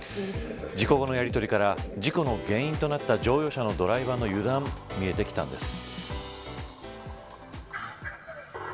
事故後のやりとりから事故の原因となった乗用車のドライバーの油断見えてきたんです。